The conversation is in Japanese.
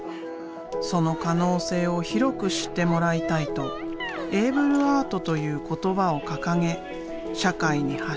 その可能性を広く知ってもらいたいとエイブル・アートという言葉を掲げ社会に発信してきた。